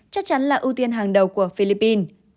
chắc chắn là ưu tiên hàng đầu của philippines